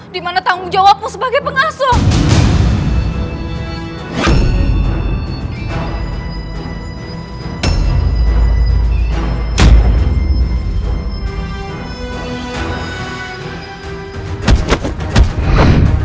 dimana tanggung jawabmu sebagai pengasuh